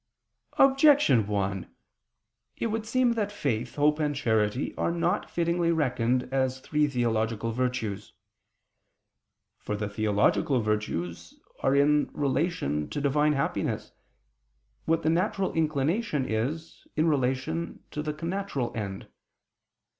Objection 1: It would seem that faith, hope, and charity are not fittingly reckoned as three theological virtues. For the theological virtues are in relation to Divine happiness, what the natural inclination is in relation to the connatural end.